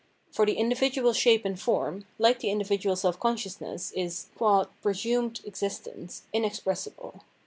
For the individual shape and form, hke the individual self consciousness, is, qua "presmned " existence, inexpressible.